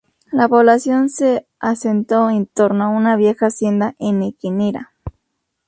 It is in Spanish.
La población se asentó en torno a una vieja hacienda henequenera.